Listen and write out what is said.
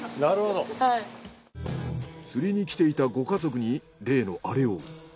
釣りに来ていたご家族に例のアレを。